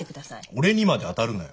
俺にまで当たるなよ。